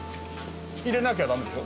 入れなきゃ駄目でしょ？